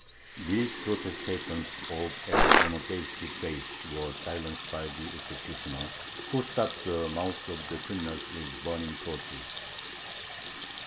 These protestations of a monotheistic faith were silenced by the executioner, who stopped "the mouths of the criminals with burning torches."